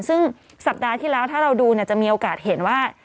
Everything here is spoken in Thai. ซึ่งสัปดาห์ที่แล้วถ้าเราดูจะมีโอกาสเห็นว่า